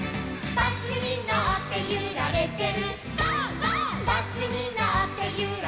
「バスにのってゆられてる」